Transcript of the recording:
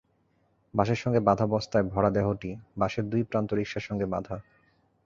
বাঁশের সঙ্গে বাঁধা বস্তায় ভরা দেহটি, বাঁশের দুই প্রান্ত রিকশার সঙ্গে বাঁধা।